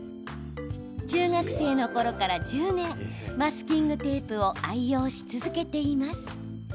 中学生のころから１０年マスキングテープを愛用し続けています。